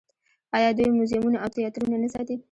آیا دوی موزیمونه او تیاترونه نه ساتي؟